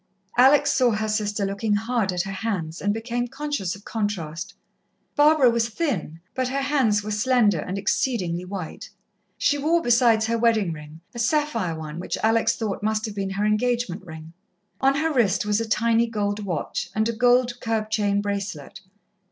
Alex saw her sister looking hard at her hands, and became conscious of contrast. Barbara was thin, but her hands were slender and exceedingly white. She wore, besides her wedding ring, a sapphire one, which Alex thought must have been her engagement ring. On her wrist was a tiny gold watch, and a gold curb chain bracelet.